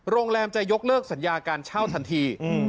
โรงแรมจะยกเลิกสัญญาการเช่าทันที